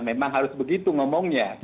memang harus begitu ngomongnya